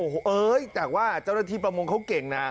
โอ้โหเอ้ยแต่ว่าเจ้าหน้าที่ประมงเขาเก่งนะ